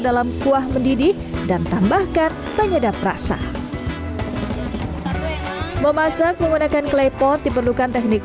dalam kuah mendidih dan tambahkan penyedap rasa memasak menggunakan klepot diperlukan teknik